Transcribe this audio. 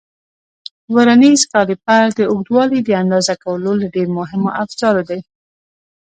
ورنیز کالیپر د اوږدوالي د اندازه کولو له ډېرو مهمو افزارو دی.